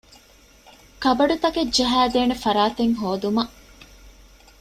ކަބަޑުތަކެއް ޖަހައިދޭނެ ފަރާތެއް ހޯދުމަށް